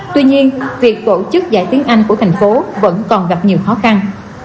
tuy nhiên việc tổ chức giải tiếng anh của tp hcm vẫn còn gặp nhiều khó khăn